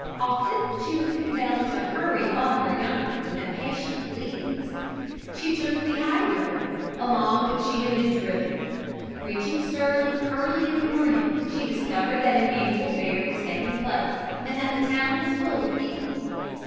Often she was compelled to hurry on her young one with impatient bleatings. She took the highroad, along which she had been driven. Reaching Stirling early in the morning, she discovered that an annual fair was taking place, and that the town was full of people.